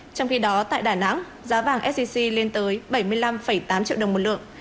trong khi đó tại đà nẵng giá vàng sgc lên tới bảy mươi năm tám triệu đồng một lượng